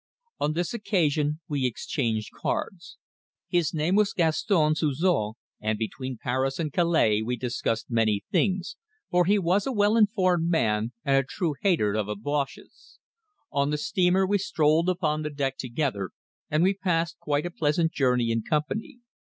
On this occasion we exchanged cards. His name was Gaston Suzor, and between Paris and Calais we discussed many things, for he was a well informed man and a true hater of the Boches. On the steamer we strolled upon the deck together, and we passed quite a pleasant journey in company.